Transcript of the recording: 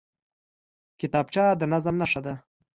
کتابچه د نظم نښه ده